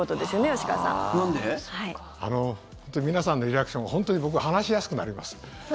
皆さんのリアクションが本当に僕は話しやすくなります。